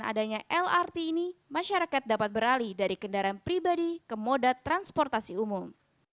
adanya lrt ini masyarakat dapat beralih dari kendaraan pribadi ke moda transportasi umum